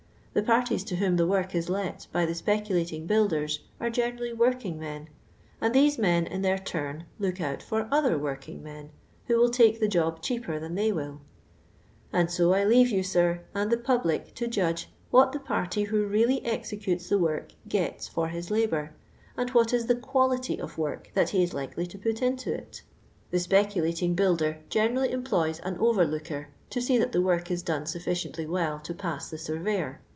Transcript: The parties to whom the work is let by tho speculating builders are generally w«)rkii.g men, and these niei> in their turn look out for other working men, who will take the job cheaper than they will; and si I leave yo.i, sir. awl the public to judge what the party who really executes the work gets for his labour, and what i.^ the quality of work that he is likely to put into it. The speculating builder gene rally employs an overlooker to see that the work is done suHiciently well to ])ass the surveyor.